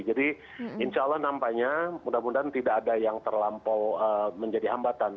jadi insya allah nampaknya mudah mudahan tidak ada yang terlampau menjadi hambatan